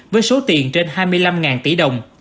với số tiền trên hai mươi năm tỷ đồng